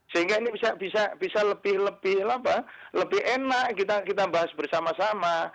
sehingga ini bisa lebih lebih apa lebih enak kita bahas bersama sama